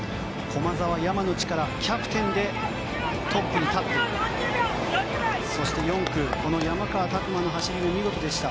駒澤、山野力キャプテンでトップに立ってそして、４区の山川拓馬の走り見事でした。